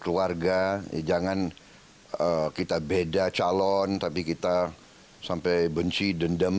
keluarga jangan kita beda calon tapi kita sampai benci dendam